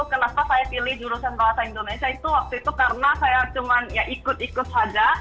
kenapa saya pilih jurusan bahasa indonesia itu waktu itu karena saya cuma ya ikut ikut saja